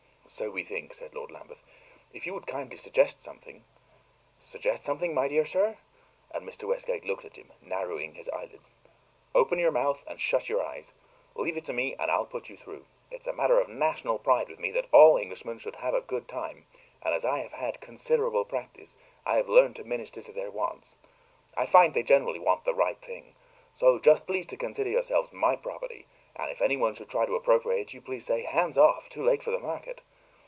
"So we think," said Lord Lambeth. "If you would kindly suggest something " "Suggest something, my dear sir?" and Mr. Westgate looked at him, narrowing his eyelids. "Open your mouth and shut your eyes! Leave it to me, and I'll put you through. It's a matter of national pride with me that all Englishmen should have a good time; and as I have had considerable practice, I have learned to minister to their wants. I find they generally want the right thing. So just please to consider yourselves my property; and if anyone should try to appropriate you, please to say, 'Hands off; too late for the market.